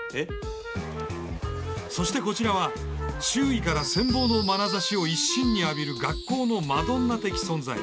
そしてこちらは周囲から羨望のまなざしを一身に浴びる学校のマドンナ的存在。